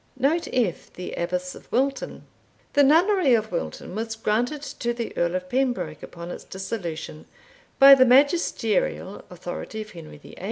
Note F. The Abbess of Wilton. The nunnery of Wilton was granted to the Earl of Pembroke upon its dissolution, by the magisterial authority of Henry VIII.